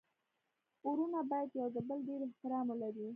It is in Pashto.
ورونه باید يو د بل ډير احترام ولري.